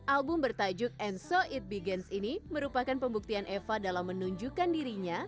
album bertajuk and so it begainst ini merupakan pembuktian eva dalam menunjukkan dirinya